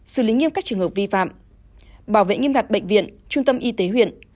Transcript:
xử lý nghiêm các trường hợp vi phạm bảo vệ nghiêm ngặt bệnh viện trung tâm y tế huyện